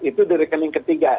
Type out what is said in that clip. itu di rekening ketiga